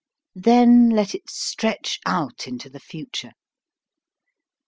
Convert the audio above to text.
Then let it stretch out into the future.